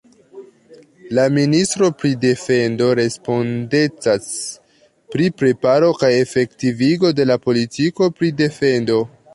La ministro pri defendo respondecas pri preparo kaj efektivigo de la politiko pri defendo.